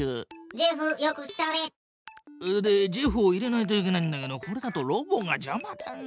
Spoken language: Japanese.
ジェフよく来たね。でジェフを入れないといけないんだけどこれだとロボがじゃまだな。